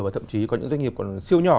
và thậm chí có những doanh nghiệp còn siêu nhỏ